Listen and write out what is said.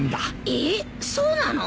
ええっそうなの？